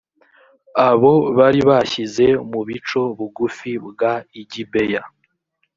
abo bari bashyize mu bico bugufi bw i gibeya